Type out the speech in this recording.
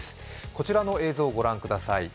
こちらの映像を御覧ください。